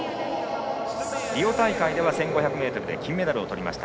リオ大会では１５００ｍで金メダルをとりました。